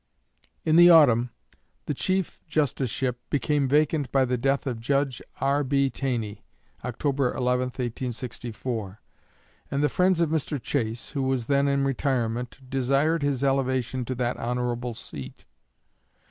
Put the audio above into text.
In the autumn, the Chief Justiceship became vacant by the death of Judge R.B. Taney (October 11, 1864), and the friends of Mr. Chase, who was then in retirement, desired his elevation to that honorable seat.